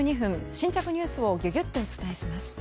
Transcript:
新着ニュースをギュギュッとお伝えします。